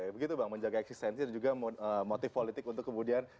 begitu bang menjaga eksistensi dan juga motif politik untuk kemudian